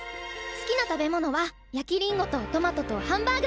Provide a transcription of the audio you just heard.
好きな食べ物は焼きリンゴとトマトとハンバーグ。